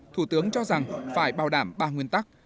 thủ tướng cho rằng phải bảo đảm ba nguyên tắc